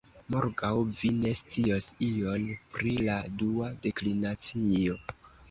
Morgaŭ vi ne scios ion pri la dua deklinacio.